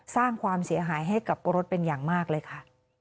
สร้างความเสียหายให้กับรถเป็นอย่างมากเลยค่ะ